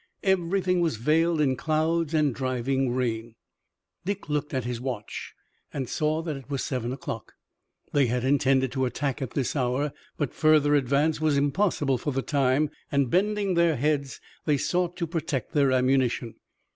Everything was veiled in clouds and driving rain. Dick looked at his watch, and saw that it was seven o'clock. They had intended to attack at this hour, but further advance was impossible for the time, and, bending their heads, they sought to protect their ammunition.